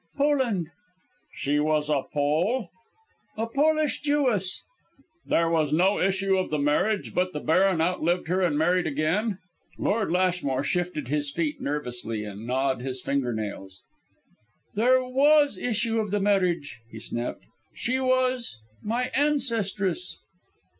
"Poland." "She was a Pole?" "A Polish Jewess." "There was no issue of the marriage, but the Baron outlived her and married again?" Lord Lashmore shifted his feet nervously, and gnawed his finger nails. "There was issue of the marriage," he snapped. "She was my ancestress."